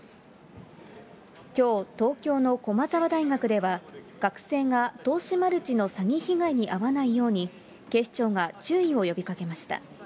きょう、東京の駒澤大学では、学生が投資マルチの詐欺被害に遭わないように、警視庁が注意を呼びかけました。